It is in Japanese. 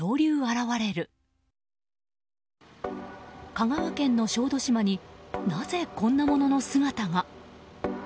香川県の小豆島になぜこんなものの姿が。